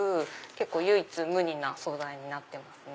唯一無二な素材になってますね。